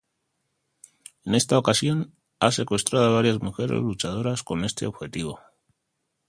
En esta ocasión, ha secuestrado a varias mujeres luchadoras con este objetivo.